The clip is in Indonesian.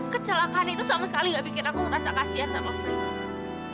kecelakaan itu sama sekali gak bikin aku merasa kasihan sama fred